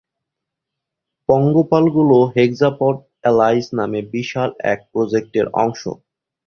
পঙ্গপালগুলো hexapod এলাইস নামে বিশাল এক প্রোজেক্টের অংশ।